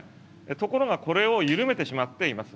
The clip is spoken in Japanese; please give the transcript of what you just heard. ところがこれを緩めてしまっています。